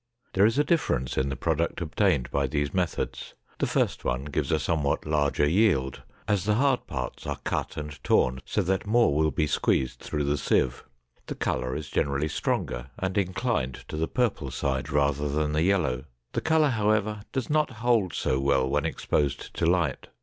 There is a difference in the product obtained by these methods. The first one gives a somewhat larger yield, as the hard parts are cut and torn so that more will be squeezed through the sieve. The color is generally stronger and inclined to the purple side rather than the yellow. The color, however, does not hold so well when exposed to light.